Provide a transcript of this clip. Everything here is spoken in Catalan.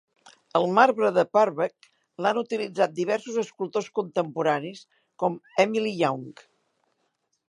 El marbre de Purbeck l'han utilitzat diversos escultors contemporanis, com Emily Young.